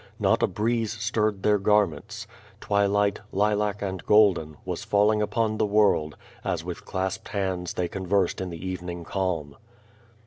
Not a breeze stirred their garments. Twiliglit, lilac and golden, was falling upon the world, as with clasped hands they conversed in the evening calm.